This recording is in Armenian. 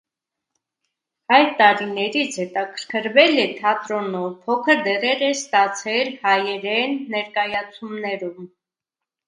Այդ տարիներից հետաքրքրվել է թատրոնով, փոքր դերեր է ստացել հայերեն ներկայացումներում։